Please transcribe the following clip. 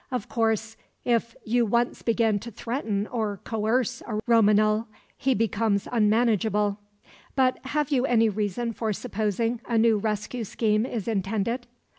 Of course, if you once begin to threaten or coerce a Romagnol he becomes unmanageable. But have you any reason for supposing a new rescue scheme is intended?"